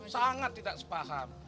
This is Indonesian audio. sangat tidak sepaham